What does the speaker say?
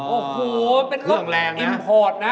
โอ้โหเป็นรถอิมพอร์ตนะ